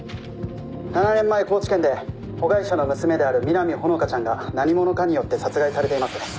７年前高知県でホガイシャの娘である南穂香ちゃんが何者かによって殺害されています。